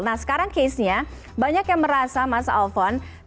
nah sekarang casenya banyak yang merasa mas alphonse